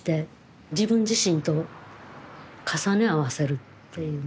自分自身と重ね合わせるっていうんですかね。